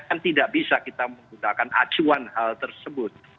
kan tidak bisa kita menggunakan acuan hal tersebut